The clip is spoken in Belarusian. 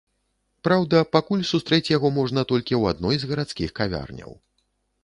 Праўда, пакуль сустрэць яго можна толькі ў адной з гарадскіх кавярняў.